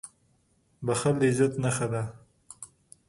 • بښل د عزت نښه ده.